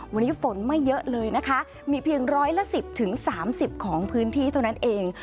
วันนี้ฝนไม่เยอะเลยนะคะมีเพียงร้อยละ๑๐๓๐ของพื้นที่เท่านั้นเอง